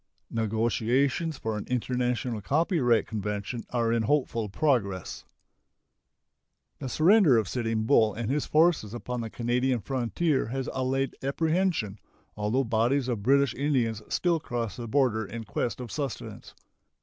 Negotiations for an international copyright convention are in hopeful progress. The surrender of Sitting Bull and his forces upon the Canadian frontier has allayed apprehension, although bodies of British Indians still cross the border in quest of sustenance.